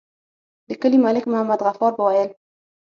د کلي ملک محمد غفار به ويل.